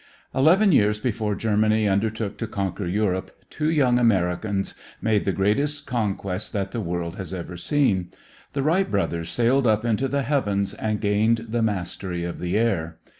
Eleven years before Germany undertook to conquer Europe two young Americans made the greatest conquest that the world has ever seen. The Wright brothers sailed up into the heavens and gained the mastery of the air.